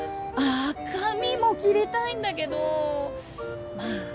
あぁ髪も切りたいんだけどまあ